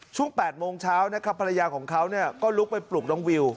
ช่วง๘โมงเช้านะครับภรรยาของเขาก็ลุกไปปลุกน้องวิว